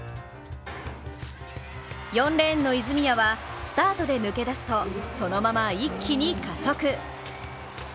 ４レーンの泉谷はスタートで抜け出すと、そのまま一気に加速。